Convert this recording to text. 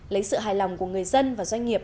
lấy sự hài lòng của người dân và doanh nghiệp